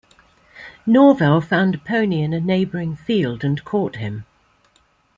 Norvell found a pony in a neighboring field and caught him.